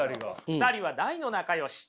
２人は大の仲よし。